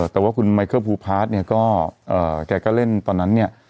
แต่ว่าคุณไมเคิลภูพาร์ทเนี่ยก็แกก็เล่นตอนนั้นเนี่ย